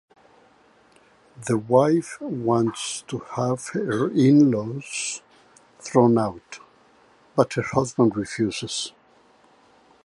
The Wife wants to have her in-laws thrown out, but her husband refuses.